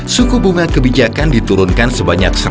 suku bunga kebijakan diturunkan sebanyak satu ratus lima puluh basis point